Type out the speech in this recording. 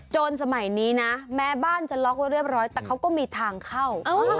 สมัยนี้นะแม้บ้านจะล็อกไว้เรียบร้อยแต่เขาก็มีทางเข้า